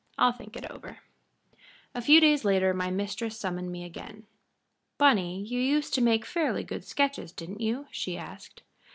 I'll think it over." A few days later my mistress summoned me again. "Bunny, you used to make fairly good sketches, didn't you?" she asked.